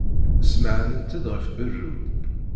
Smeɛnent-d ɣef berru.